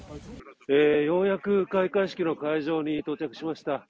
ようやく開会式の会場に到着しました。